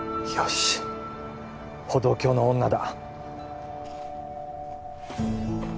しっ歩道橋の女だ